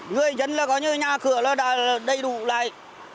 người dân là có như nhà cửa là đầy đủ lại